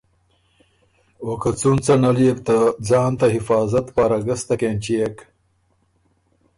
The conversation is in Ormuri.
او که څُون څۀ نل يې بو ته ځان ته حفاظت پاره ګستک اېنچيېک